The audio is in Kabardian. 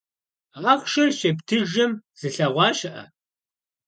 Ахъшэр щептыжым зылъэгъуа щыӀэ?